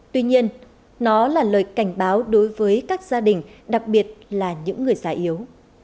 tuy nhiên nó là lời cảnh báo đối với các gia đình đặc biệt là những người già yếu